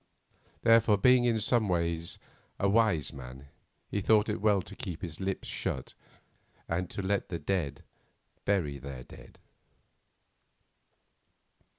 Therefore, being in some ways a wise man, he thought it well to keep his lips shut and to let the dead bury their dead.